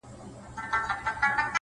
حالاتو دغه حد ته راوسته ه ياره;